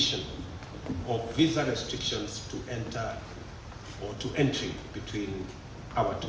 penerbangan visi untuk masuk ke antara negara negara kita